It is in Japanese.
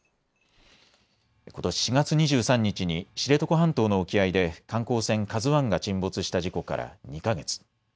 ことし４月２３日に知床半島の沖合で観光船ＫＡＺＵＩが沈没した事故から２か月。